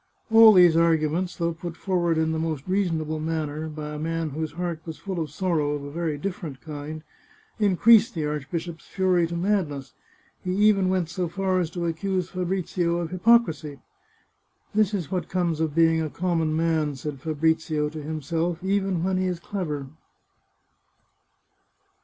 All these arguments, though put forward in the most reasonable manner, by a man whose heart was full of sorrow of a very different kind, increased the archbishop's fury to madness. He even went so far as to accuse Fabrizio of hypocrisy. " This is what comes of being a common man," said Fa brizio to himself, " even when he is clever."